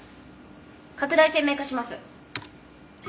拡大鮮明化します。